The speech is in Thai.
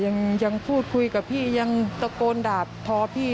ยังพูดคุยกับพี่ยังตะโกนด่าทอพี่